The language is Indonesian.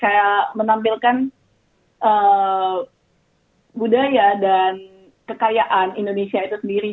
saya menampilkan budaya dan kekayaan indonesia itu sendiri